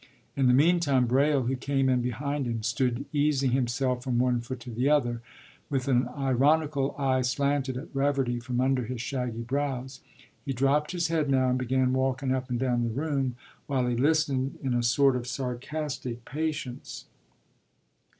In the meantime Braile, who came in behind him, stood easing himself from one foot to the other, with an ironical eye slanted at Reverdy from under his shaggy brows; he dropped his head now, and began walking up and down the room while he listened in a sort of sarcastic patience.